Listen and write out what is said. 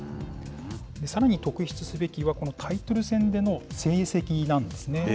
さらに特筆すべきは、このタイトル戦での戦跡なんですね。